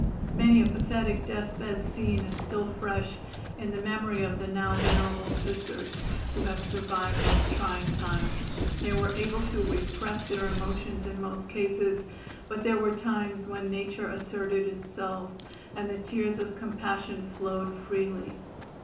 Many a pathetic death bed scene is still fresh in the memory of the now venerable Sisters who have survived those trying times. They were able to repress their emotions in most cases, but there were times when nature asserted itself, and the tears of compassion flowed freely.